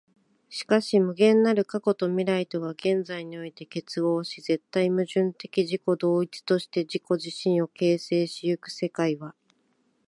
しかし無限なる過去と未来とが現在において結合し、絶対矛盾的自己同一として自己自身を形成し行く世界は、